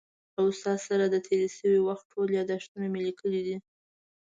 له استاد سره د تېر شوي وخت ټول یادښتونه مې لیکلي دي.